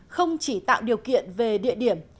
không chỉ tạo điều kiện về địa điểm